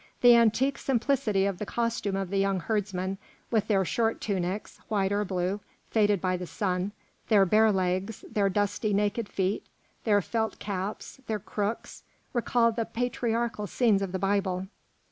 The antique simplicity of the costume of the young herdsmen, with their short tunics, white or blue, faded by the sun, their bare legs, their dusty, naked feet, their felt caps, their crooks, recalled the patriarchal scenes of the Bible.